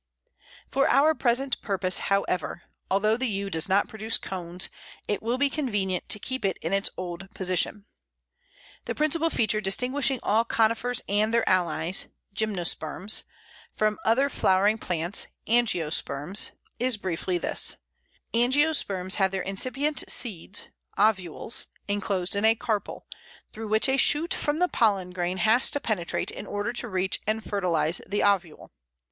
For our present purpose, however, although the Yew does not produce cones, it will be convenient to keep it in its old position. The principal feature distinguishing all Conifers and their allies (Gymnosperms) from other flowering plants (Angiosperms) is briefly this: Angiosperms have their incipient seeds (ovules) enclosed in a carpel, through which a shoot from the pollen grain has to penetrate in order to reach and fertilize the ovule.